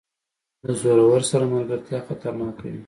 له زورور سره ملګرتیا خطرناکه وي.